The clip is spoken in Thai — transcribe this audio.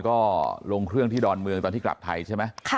ก็ลงเครื่องที่ดอนเมืองตอนที่กลับไทยใช่ไหม